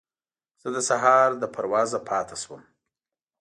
زه د سهار له پروازه پاتې شوم.